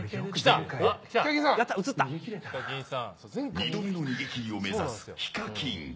２度目の逃げ切りを目指すＨＩＫＡＫＩＮ。